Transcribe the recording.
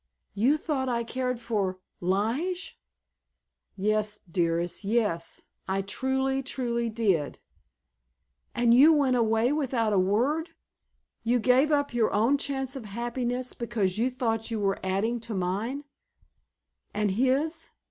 "You thought I cared for Lige?" "Yes, dearest, yes, I truly, truly, did." "And you went away without a word! You gave up your own chance of happiness because you thought you were adding to mine—and his!